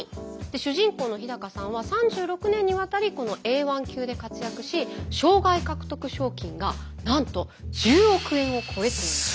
主人公の日高さんは３６年にわたりこのＡ１級で活躍し生涯獲得賞金がなんと１０億円を超えています。